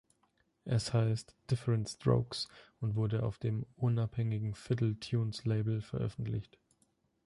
Es heißt "Different Strokes" und wurde auf dem unabhängigen Fiddle-Tunes-Label veröffentlicht.